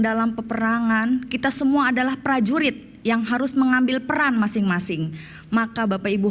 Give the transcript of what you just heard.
dalam peperangan kita semua adalah prajurit yang harus mengambil peran masing masing maka bapak ibu